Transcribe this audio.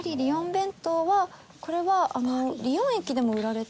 弁当はこれはリヨン駅でも売られた。